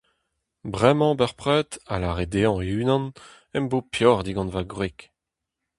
Bremañ bepred, a lâre dezhañ e-unan, am bo peoc'h digant ma gwreg.